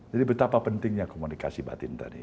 betapa pentingnya komunikasi batin tadi